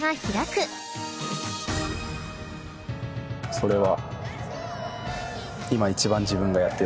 それは。